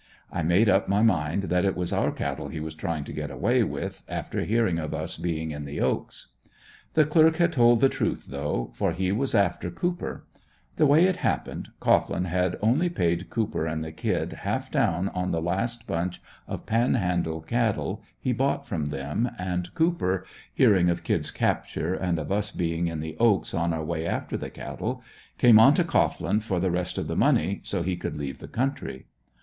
I made up my mind that it was our cattle he was trying to get away with, after hearing of us being in the "Oaks." The clerk had told the truth though, for he was after Cooper. The way it happened, Cohglin had only paid Cooper and the "Kid" half down on the last bunch of Panhandle cattle he bought from them and Cooper hearing of "Kid's" capture and of us being in the "Oaks" on our way after the cattle, came onto Cohglin for the rest of the money so he could leave the country.